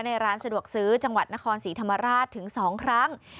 ในร้านสะดวกซื้อจังหวัดนครศรีธรรมราชถึง๒ครั้ง